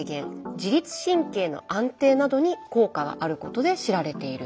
自律神経の安定などに効果があることで知られているものなんです。